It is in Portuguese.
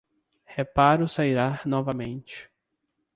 Reparo sairá novamente